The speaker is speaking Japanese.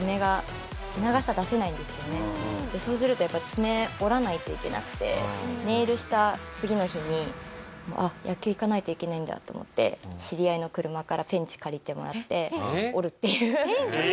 でそうするとやっぱり爪折らないといけなくてネイルした次の日に「あっ野球行かないといけないんだ」と思って知り合いの車からペンチ借りて折るっていう。